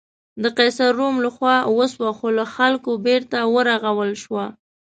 د قیصر روم له خوا وسوه خو له خلکو بېرته ورغول شوه.